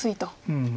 うん。